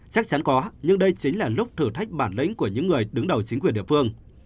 chắc chắn có nhưng đây chính là lúc thử thách bản lĩnh của những người đứng đầu chính quyền địa phương